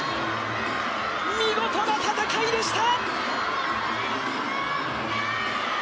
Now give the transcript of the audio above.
見事な戦いでした。